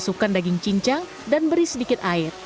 masukkan daging cincang dan beri sedikit air